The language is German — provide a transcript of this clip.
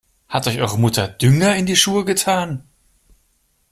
Hat euch eure Mutter Dünger in die Schuhe getan?